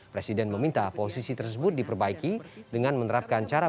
presiden meminta posisi tersebut diperbaiki dengan menerapkan cara